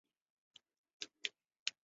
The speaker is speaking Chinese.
某些人可能会因此而窃盗他人的内衣。